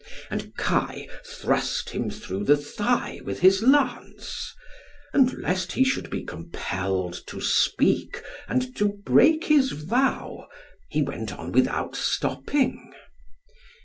And Kai thrust him through the thigh with his lance. And lest he should be compelled to speak, and to break his vow, he went on without stopping.